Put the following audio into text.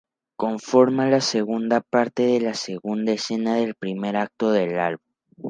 Conforma la segunda parte de la segunda escena del primer acto del álbum.